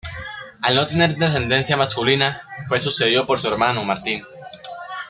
Al no tener descendencia masculina, fue sucedido por su hermano Martín.